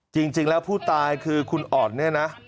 จริงแล้วผู้ตายคือคุณอ่อนเนี่ยนะ